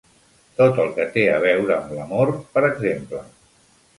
Tot el que té a veure amb l'amor, per exemple.